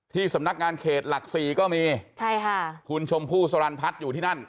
สำนักงานเขตหลักสี่ก็มีใช่ค่ะคุณชมพู่สรรพัฒน์อยู่ที่นั่น